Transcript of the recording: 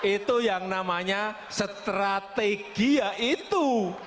itu yang namanya strategia itu